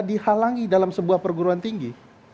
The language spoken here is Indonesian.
dihalangi dalam sebuah perguruan tinggi